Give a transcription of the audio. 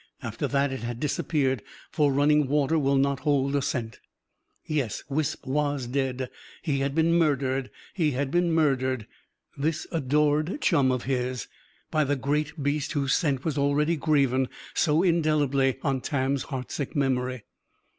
After that it had disappeared. For running water will not hold a scent. Yes, Wisp was dead. He had been murdered. He had been murdered, this adored chum of his, by the great beast whose scent was already graven so indelibly on Tam's heartsick memory.